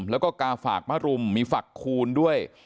แล้วก็กาฝากมะรุมมีฝักคูณด้วย